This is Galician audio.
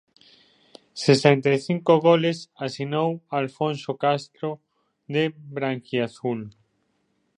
Sesenta e cinco goles asinou Alfonso Castro de branquiazul.